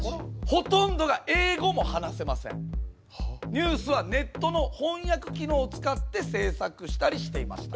ニュースはネットの翻訳機能を使って制作したりしていました。